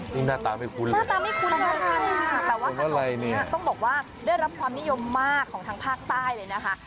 นี่หน้าตาไม่คุ้นหน้าตาไม่คุ้นเลยค่ะแต่ว่าต้องบอกว่าได้รับความนิยมมากของทางภาคใต้เลยนะคะ